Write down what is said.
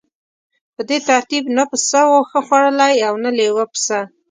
په دې ترتیب نه پسه واښه خوړلی او نه لیوه پسه.